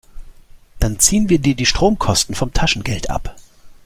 Dann ziehen wir dir die Stromkosten vom Taschengeld ab.